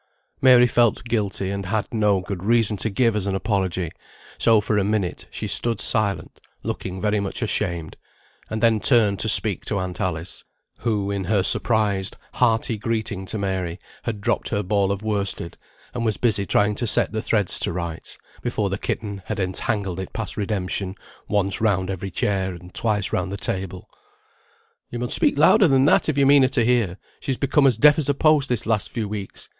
Mary felt guilty, and had no good reason to give as an apology; so for a minute she stood silent, looking very much ashamed, and then turned to speak to aunt Alice, who, in her surprised, hearty greeting to Mary, had dropped her ball of worsted, and was busy trying to set the thread to rights, before the kitten had entangled it past redemption, once round every chair, and twice round the table. "You mun speak louder than that, if you mean her to hear; she become as deaf as a post this last few weeks.